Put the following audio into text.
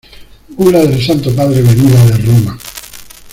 bula del Santo Padre, venida de Roma.